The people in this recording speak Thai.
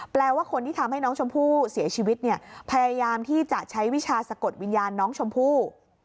แปลว่าคนที่ทำให้น้องชมพู่เสียชีวิตเนี่ยพยายามที่จะใช้วิชาสะกดวิญญาณน้องชมพู่